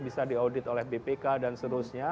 bisa di audit oleh bpk dan seterusnya